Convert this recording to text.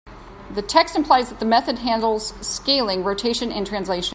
The text implies that method handles scaling, rotation, and translation.